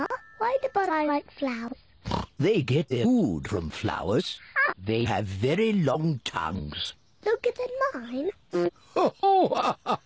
アハハハ！